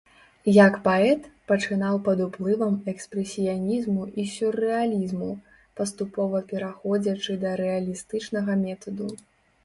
Як паэт пачынаў пад уплывам экспрэсіянізму і сюррэалізму, паступова пераходзячы да рэалістычнага метаду.